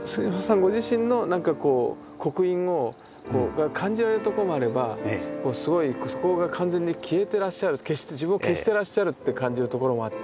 ご自身の何かこう刻印が感じられるところもあればすごいそこが完全に消えてらっしゃる自分を消してらっしゃるって感じるところもあって。